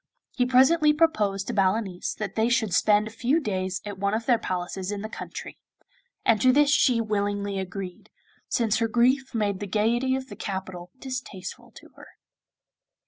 He presently proposed to Balanice that they should spend a few days at one of their palaces in the country; and to this she willingly agreed, since her grief made the gaiety of the capital distasteful to her.